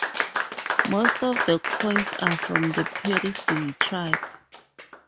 Most of the coins are from the Parisii tribe.